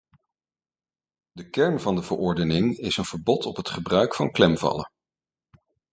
De kern van de verordening is een verbod op het gebruik van klemvallen.